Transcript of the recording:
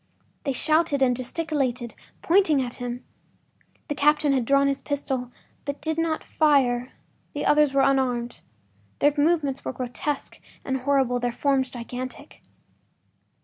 They shouted and gesticulated, pointing at him. The captain had drawn his pistol, but did not fire; the others were unarmed. Their movements were grotesque and horrible, their forms gigantic.